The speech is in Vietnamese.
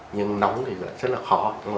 nhưng nóng thì rất là khó